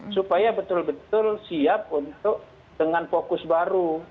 supaya betul betul siap untuk dengan fokus baru